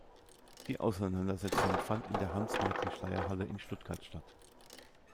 Die Auseinandersetzung fand in der Hanns-Martin-Schleyer-Halle in Stuttgart statt.